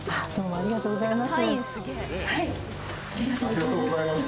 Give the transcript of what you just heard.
ありがとうございます。